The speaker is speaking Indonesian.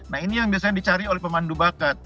nah ini yang biasanya dicari oleh pemandu bakat